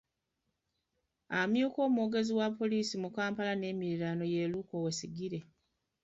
Amyuka omwogezi wa poliisi mu Kampala n'emiriraano y’e Luke Owoyesigyire.